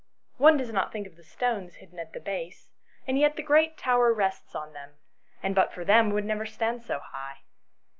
One does not think of the stones hidden at the base, and yet the great tower rests on them, and but for them would never stand so high."